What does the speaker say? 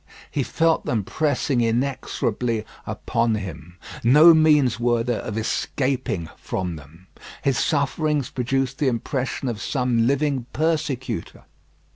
He felt them pressing inexorably upon him. No means were there of escaping from them. His sufferings produced the impression of some living persecutor.